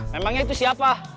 memangnya itu siapa